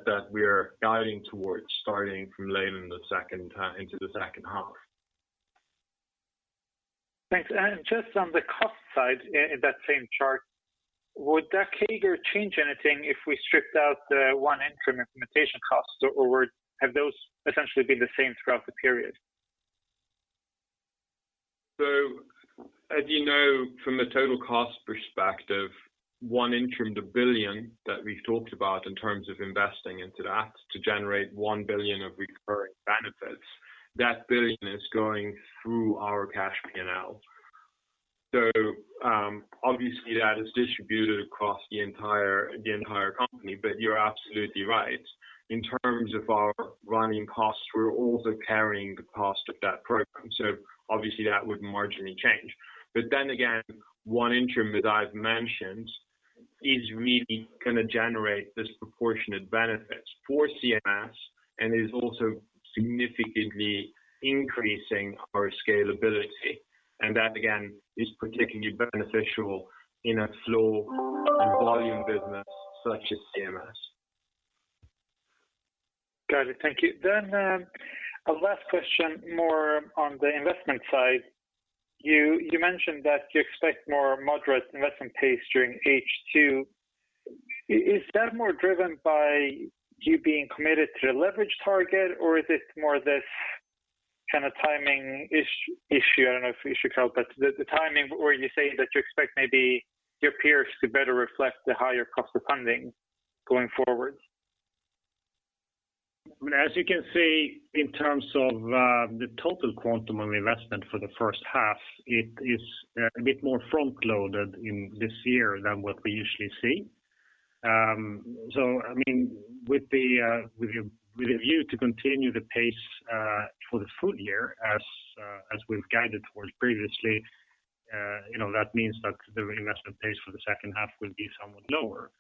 C: that we're guiding towards, starting from late in the second half.
F: Thanks. Just on the cost side in that same chart, would that CAGR change anything if we stripped out the ONE Intrum implementation costs, or have those essentially been the same throughout the period?
C: As you know from a total cost perspective, ONE Intrum, the 1 billion that we've talked about in terms of investing into that to generate 1 billion of recurring benefits, that billion is going through our cash P&L. Obviously that is distributed across the entire company. You're absolutely right. In terms of our running costs, we're also carrying the cost of that program, so obviously that would marginally change. Then again, ONE Intrum that I've mentioned is really gonna generate disproportionate benefits for CMS and is also significantly increasing our scalability. That again is particularly beneficial in a slow and volume business such as CMS.
F: Got it. Thank you. A last question more on the investment side. You mentioned that you expect more moderate investment pace during H2. Is that more driven by you being committed to the leverage target, or is it more this kind of timing issue? I don't know if you should tell, but the timing where you say that you expect maybe your peers to better reflect the higher cost of funding going forward.
B: As you can see, in terms of the total quantum of investment for the first half, it is a bit more front loaded in this year than what we usually see. So I mean, with the view to continue the pace for the full year as we've guided towards previously, you know, that means that the investment pace for the second half will be somewhat lower.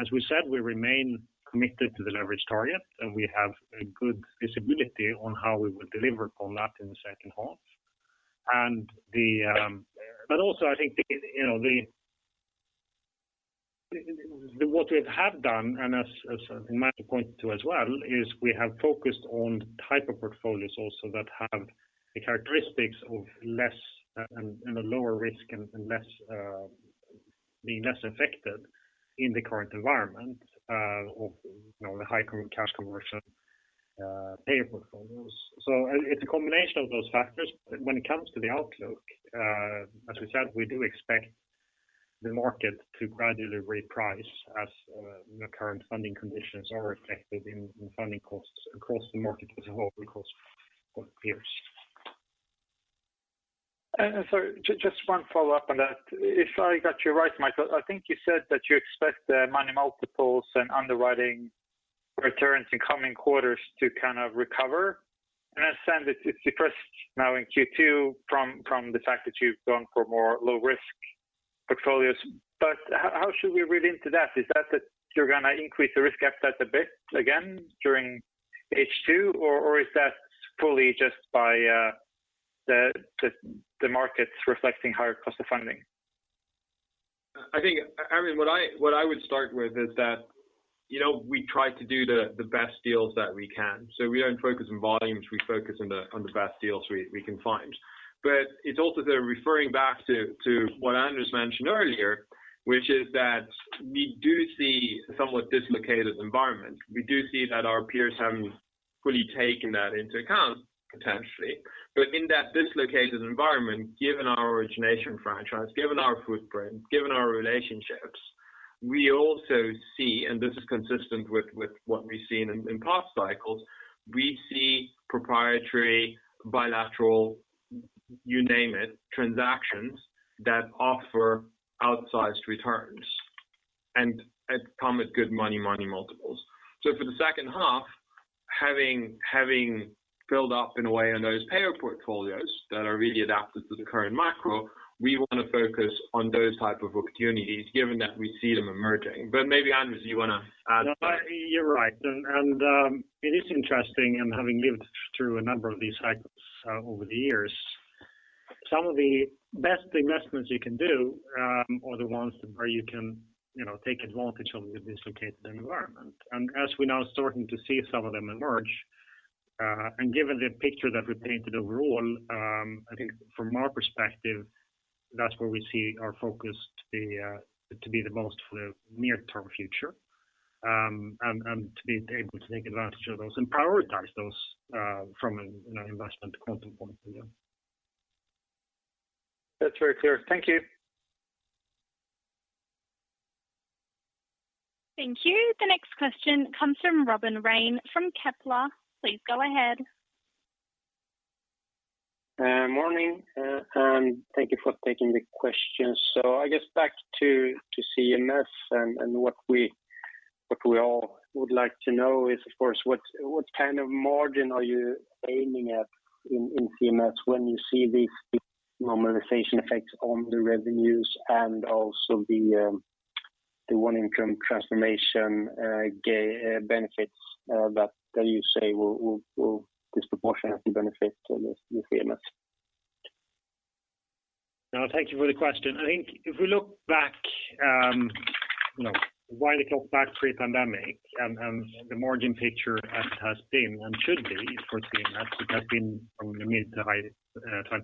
B: As we said, we remain committed to the leverage target, and we have a good visibility on how we will deliver on that in the second half. What we have done, and as Michael pointed to as well, is we have focused on the type of portfolios also that have the characteristics of less and a lower risk and less being less affected in the current environment, of, you know, the high cash conversion payer portfolios. It's a combination of those factors. When it comes to the outlook, as we said, we do expect the market to gradually reprice as the current funding conditions are reflected in funding costs across the market as a whole because of peers.
F: Just one follow-up on that. If I got you right, Michael, I think you said that you expect the money multiples and underwriting returns in coming quarters to kind of recover. I understand it's suppressed now in Q2 from the fact that you've gone for more low risk portfolios. How should we read into that? Is that you're going to increase the risk appetite a bit again during H2 or is that fully just by the markets reflecting higher cost of funding?
C: I think, Ermin, what I would start with is that, you know, we try to do the best deals that we can. We don't focus on volumes, we focus on the best deals we can find. It's also referring back to what Anders mentioned earlier, which is that we do see a somewhat dislocated environment. We do see that our peers haven't fully taken that into account potentially. In that dislocated environment, given our origination franchise, given our footprint, given our relationships, we also see, and this is consistent with what we've seen in past cycles, we see proprietary bilateral, you name it, transactions that offer outsized returns and come with good money on money multiples. For the second half, having built up in a way on those payer portfolios that are really adapted to the current macro, we want to focus on those type of opportunities given that we see them emerging. Maybe, Anders, you want to add.
B: You're right. It is interesting, and having lived through a number of these cycles over the years, some of the best investments you can do are the ones where you can, you know, take advantage of a dislocated environment. As we're now starting to see some of them emerge, and given the picture that we painted overall, I think from our perspective, that's where we see our focus to be the most for the near-term future. To be able to take advantage of those and prioritize those from an investment quantum point of view.
F: That's very clear. Thank you.
A: Thank you. The next question comes from Robin Rane from Kepler. Please go ahead.
G: Morning, and thank you for taking the questions. I guess back to CMS and what we all would like to know is, of course, what kind of margin are you aiming at in CMS when you see these normalization effects on the revenues and also the ONE Intrum transformation benefits that you say will disproportionately benefit the CMS?
B: No, thank you for the question. I think if we look back, you know, wind the clock back pre-pandemic and the margin picture as it has been and should be for CMS, it has been from the mid to high 20s%.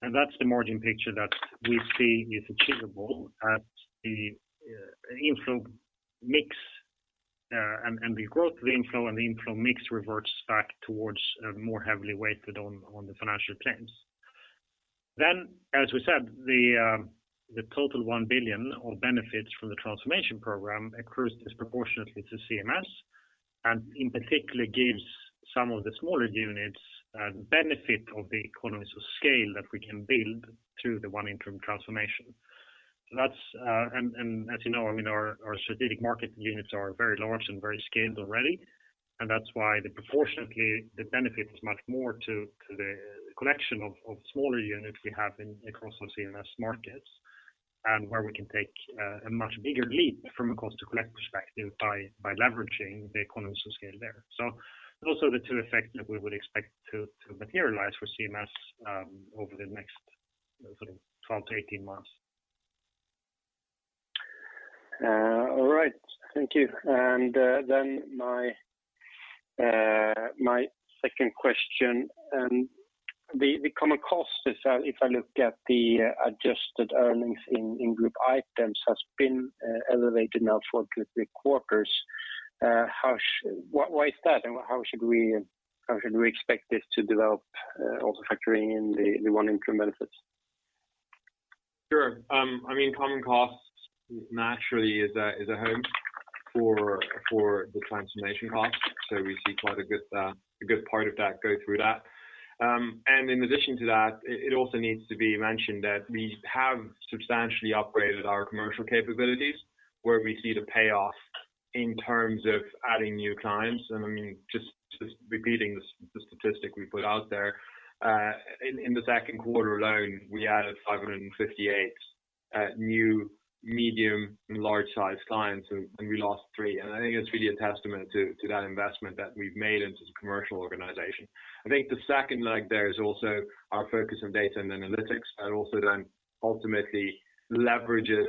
B: That's the margin picture that we see is achievable at the inflow mix and the growth of the inflow, and the inflow mix reverts back towards more heavily weighted on the financial claims. As we said, the total 1 billion of benefits from the transformation program accrues disproportionately to CMS, and in particular gives some of the smaller units benefit of the economies of scale that we can build through the ONE Intrum transformation. That's and as you know, I mean, our strategic market units are very large and very scaled already, and that's why proportionately the benefit is much more to the collection of smaller units we have across those CMS markets, and where we can take a much bigger leap from a cost-to-collect perspective by leveraging the economies of scale there. Those are the two effects that we would expect to materialize for CMS over the next sort of 12-18 months.
G: All right. Thank you. My second question. The common cost, if I look at the adjusted earnings in group items has been elevated now for two to three quarters. Why is that? How should we expect this to develop, also factoring in the ONE Intrum benefits?
C: Sure. I mean, common costs naturally is a home for the transformation costs. We see quite a good part of that go through that. In addition to that, it also needs to be mentioned that we have substantially upgraded our commercial capabilities where we see the payoff in terms of adding new clients. I mean, just repeating the statistic we put out there, in the second quarter alone, we added 558 new medium and large size clients and we lost three. I think it's really a testament to that investment that we've made into the commercial organization. I think the second leg there is also our focus on data and analytics, and also then ultimately leverages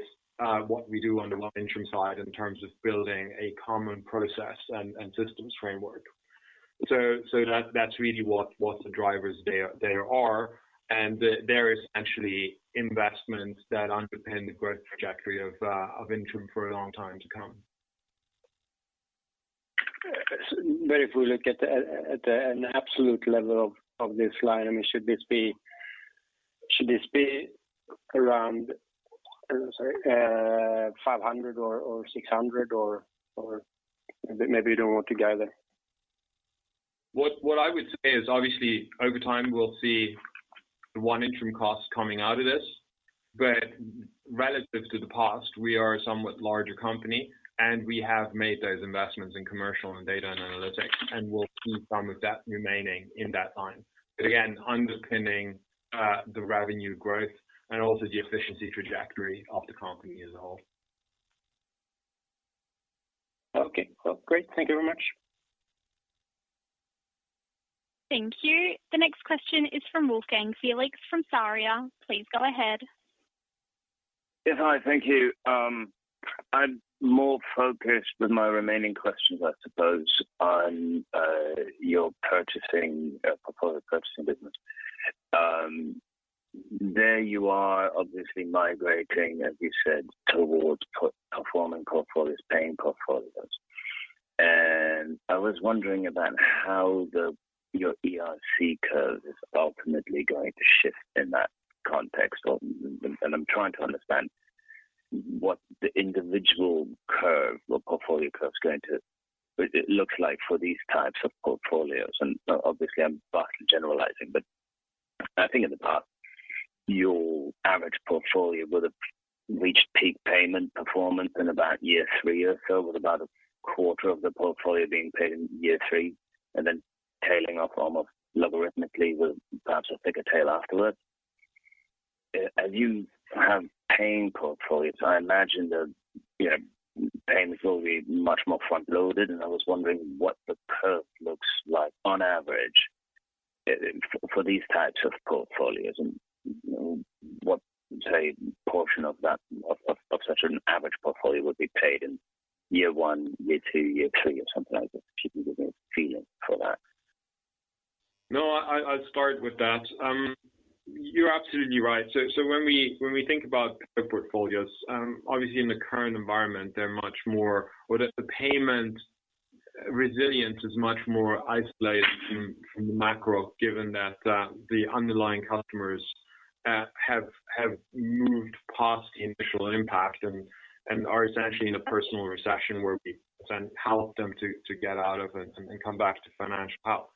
C: what we do on the ONE Intrum side in terms of building a common process and systems framework. That's really what the drivers there are, and there is actually investments that underpin the growth trajectory of Intrum for a long time to come.
G: If we look at an absolute level of this line, I mean, should this be around 500 or 600 or maybe you don't want to go there?
C: What I would say is obviously over time we'll see ONE Intrum costs coming out of this. Relative to the past, we are a somewhat larger company, and we have made those investments in commercial and data and analytics, and we'll see some of that remaining in that line. Again, underpinning the revenue growth and also the efficiency trajectory of the company as a whole.
G: Okay. Well, great. Thank you very much.
A: Thank you. The next question is from Wolfgang Felix from Sarria. Please go ahead.
H: Yes. Hi. Thank you. I'm more focused with my remaining questions, I suppose, on your purchasing, portfolio purchasing business. There you are obviously migrating, as you said, towards performing portfolios, paying portfolios. I was wondering about how your ERC curve is ultimately going to shift in that context or. I'm trying to understand what the individual curve or portfolio curve is going to look like for these types of portfolios. Obviously I'm vastly generalizing, but I think in the past, your average portfolio would have reached peak payment performance in about year three or so, with about a quarter of the portfolio being paid in year three, and then tailing off almost logarithmically with perhaps a thicker tail afterward. As you have paying portfolios, I imagine the, you know, paying portfolio will be much more front-loaded, and I was wondering what the curve looks like on average for these types of portfolios and, you know, what, say, portion of that, of such an average portfolio would be paid in year one, year two, year three, or something like that, just to give me a feeling for that.
C: No, I'll start with that. You're absolutely right. When we think about the portfolios, obviously in the current environment, they're much more. Well, the payment resilience is much more isolated from the macro, given that the underlying customers have moved past the initial impact and are essentially in a personal recession where we then help them to get out of it and come back to financial health.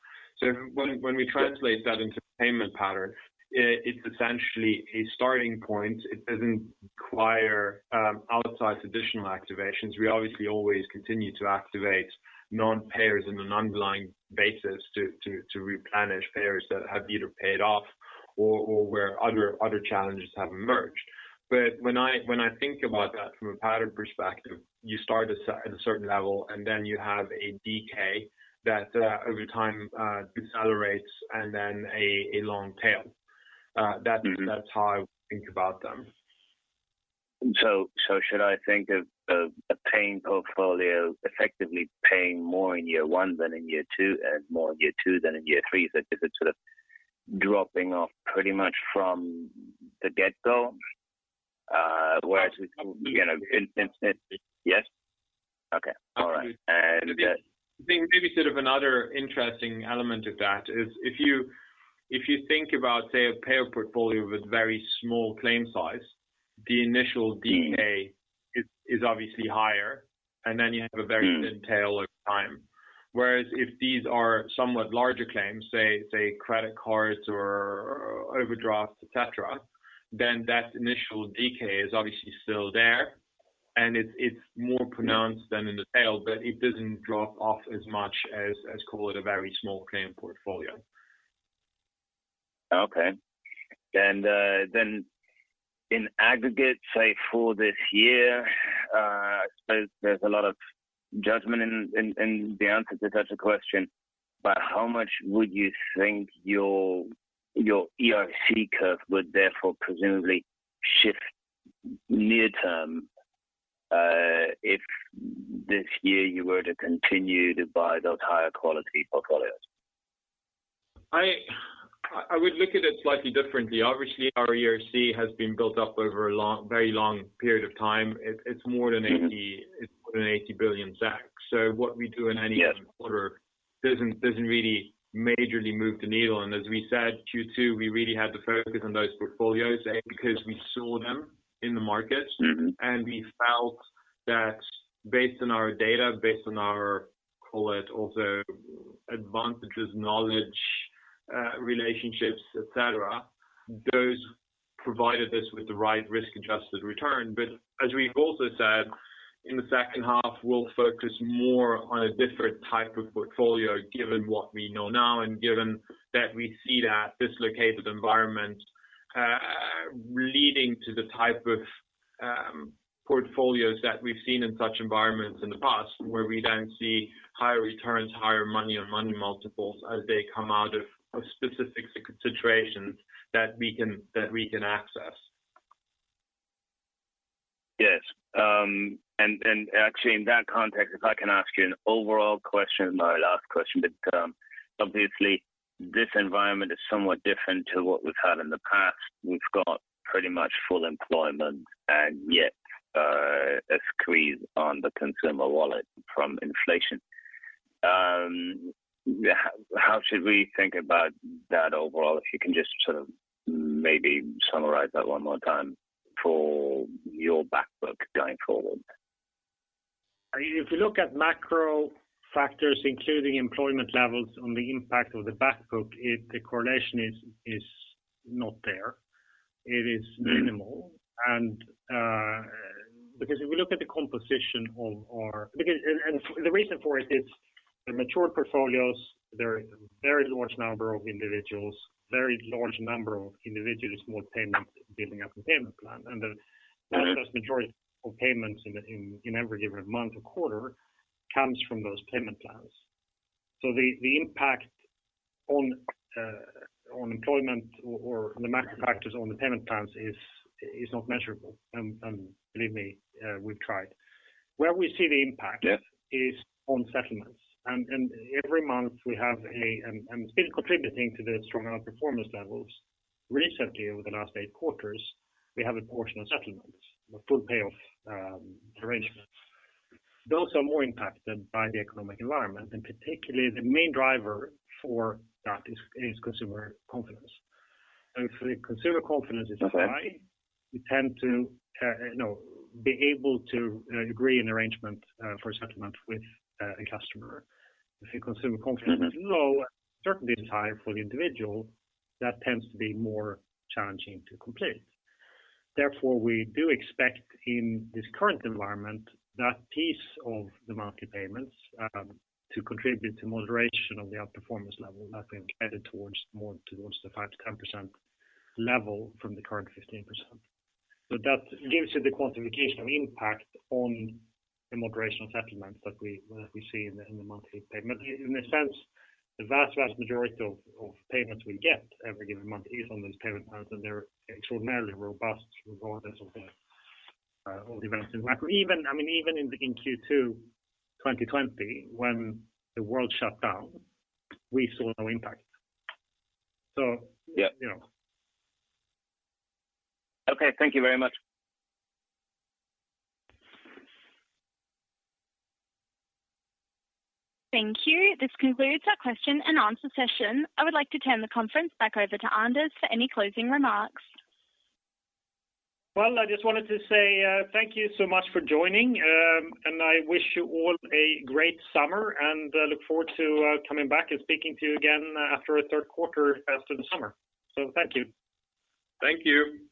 C: When we translate that into payment pattern, it's essentially a starting point. It doesn't require outsized additional activations. We obviously always continue to activate non-payers on an underlying basis to replenish payers that have either paid off or where other challenges have emerged. When I think about that from a pattern perspective, you start at a certain level, and then you have a decay that over time decelerates and then a long tail. That's how I think about them.
H: Should I think of a paying portfolio effectively paying more in year one than in year two and more in year two than in year three? Is it sort of dropping off pretty much from the get-go? Yes. Okay. All right.
C: I think maybe sort of another interesting element of that is if you think about, say, a payer portfolio with very small claim size, the initial decay is obviously higher, and then you have a very thin tail over time. Whereas if these are somewhat larger claims, say credit cards or overdraft, et cetera, then that initial decay is obviously still there and it's more pronounced than in the tail, but it doesn't drop off as much as, call it, a very small claim portfolio.
H: Okay. Then in aggregate, say for this year, I suppose there's a lot of judgment in the answer to such a question, but how much would you think your ERC curve would therefore presumably shift near term, if this year you were to continue to buy those higher quality portfolios?
C: I would look at it slightly differently. Obviously, our ERC has been built up over a long, very long period of time. It's more than 80 billion. What we do in any given quarter doesn't really majorly move the needle. As we said, Q2, we really had to focus on those portfolios because we saw them in the market. We felt that based on our data, based on our, call it, also advantages, knowledge, relationships, et cetera, those provided us with the right risk-adjusted return. As we've also said, in the second half, we'll focus more on a different type of portfolio, given what we know now and given that we see that dislocated environment, leading to the type of portfolios that we've seen in such environments in the past, where we then see higher returns, higher money on money multiples as they come out of specific situations that we can access.
H: Yes. Actually in that context, if I can ask you an overall question, my last question, but obviously this environment is somewhat different to what we've had in the past. We've got pretty much full employment and yet a squeeze on the consumer wallet from inflation. How should we think about that overall? If you can just sort of maybe summarize that one more time for your back book going forward.
B: If you look at macro factors, including employment levels and the impact of the back book, the correlation is not there. It is minimal. The reason for it is the mature portfolios. There are a very large number of individuals, very large number of individual small payments building up a payment plan. The vast majority of payments in every given month or quarter comes from those payment plans. The impact on employment or the macro factors on the payment plans is not measurable. Believe me, we've tried. Where we see the impact.
H: Yes.
B: It's on settlements. Every month we have a still contributing to the stronger outperformance levels recently over the last eight quarters, we have a portion of settlements or full payoff arrangements. Those are more impacted by the economic environment, and particularly the main driver for that is consumer confidence. If the consumer confidence is high.
H: Okay.
B: We tend to, you know, be able to agree an arrangement for a settlement with a customer. If your consumer confidence is low, certainly it's high for the individual, that tends to be more challenging to complete. Therefore, we do expect in this current environment that piece of the monthly payments to contribute to moderation of the outperformance level that we've headed towards more towards the 5%-10% level from the current 15%. That gives you the quantification of impact on the moderation of settlements that we see in the monthly payment. In a sense, the vast majority of payments we get every given month is on those payment plans, and they're extraordinarily robust regardless of the events in macro. I mean, even in Q2 2020, when the world shut down, we saw no impact.
H: Yeah.
B: You know.
H: Okay. Thank you very much.
A: Thank you. This concludes our Q&A session. I would like to turn the conference back over to Anders for any closing remarks.
B: Well, I just wanted to say, thank you so much for joining, and I wish you all a great summer, and I look forward to coming back and speaking to you again after our third quarter after the summer. Thank you.
C: Thank you.